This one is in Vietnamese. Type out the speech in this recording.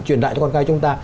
truyền đại cho con gái chúng ta